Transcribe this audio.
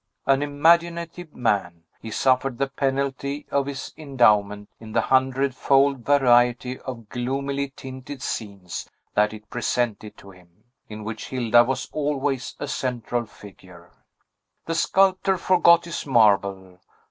An imaginative man, he suffered the penalty of his endowment in the hundred fold variety of gloomily tinted scenes that it presented to him, in which Hilda was always a central figure. The sculptor forgot his marble.